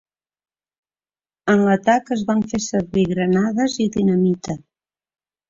En l'atac es van fer servir granades i dinamita.